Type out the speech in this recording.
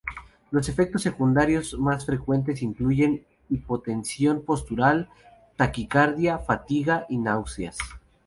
Los efectos secundarios más frecuentes incluyen hipotensión postural, taquicardia, fatiga y náuseas.